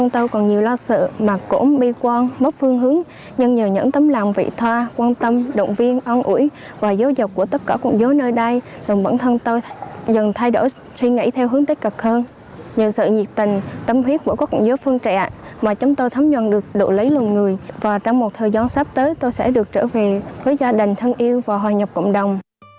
trong một thời gian sắp tới tôi sẽ được trở về với gia đình thân yêu và hòa nhập cộng đồng